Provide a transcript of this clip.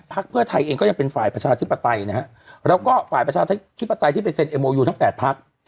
เพื่อไทยเองก็ยังเป็นฝ่ายประชาธิปไตยนะฮะแล้วก็ฝ่ายประชาธิปไตยที่ไปเซ็นเอ็มโมยูทั้ง๘พัก